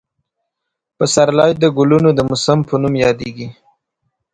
پسرلی د ګلونو د موسم په نوم یادېږي.